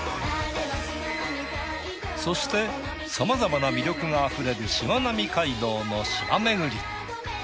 そしてさまざまな魅力があふれるしまなみ海道の島めぐり。